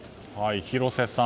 広瀬さん